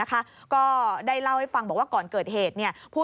ก็ได้เล่าให้ฟังบอกว่าก่อนเกิดเหตุ